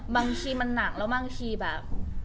บางทีมันหนักแล้วบางทีแบบ